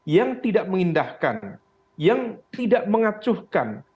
yang tidak mengindahkan yang tidak mengacuhkan